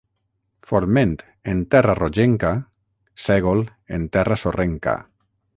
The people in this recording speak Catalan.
Forment en terra rogenca, sègol en terra sorrenca.